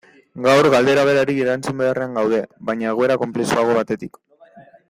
Gaur, galdera berari erantzun beharrean gaude, baina egoera konplexuago batetik.